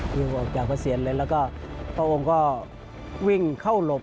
วิ่งออกจากพระเสียรเลยแล้วก็พระองค์ก็วิ่งเข้าหลบ